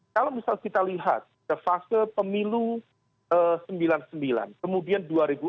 kalau misal kita lihat ke fase pemilu sembilan puluh sembilan kemudian dua ribu empat belas